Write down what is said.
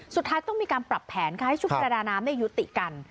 สุดท้ายต้องมีการปรับแผนค่ะให้ชุดประดาน้ำยุติกัน